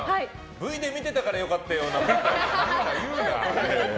Ｖで見てたから良かったようなもので。